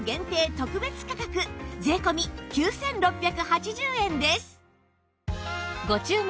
特別価格税込９６８０円です